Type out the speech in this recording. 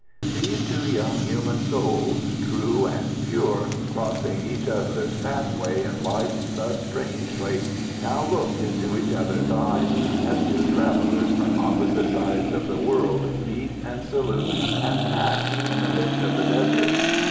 These two young human souls, true and pure, crossing each other's path way in life thus strangely, now looked into each other's eyes, as two travellers from opposite sides of the world meet and salute and pass in the midst of the desert.